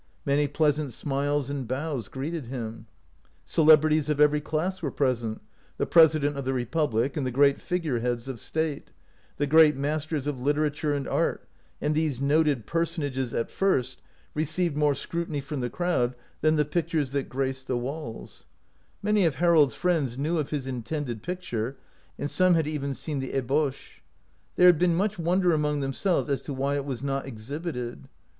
Many pleasant smiles and bows greeted him. Celebrities of every class were present — the President of the republic and the great fig ureheads of state ; the great masters of literature and art — and these noted person ages at first received more scrutiny from the crowd than the pictures that graced the 184 OUT OF BOHEMIA walls. Many of Harold's friends knew of his intended picture, and some had even seen the ebauche. There had been much wonder among themselves as to why it was not exhibited.